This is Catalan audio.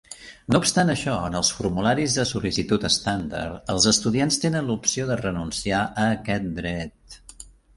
No obstant això, en els formularis de sol·licitud estàndard, els estudiants tenen l'opció de renunciar a aquest dret.